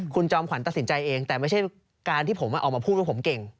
คุณจอมขวัญตัดสินใจเองแต่ไม่ใช่การที่ผมออกมาพูดว่าผมเก่ง